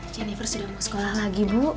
jennifer sudah mau sekolah lagi bu